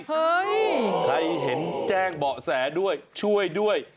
เฮ้ยใครเห็นแจ้งเบาะแสด้วยช่วยด้วย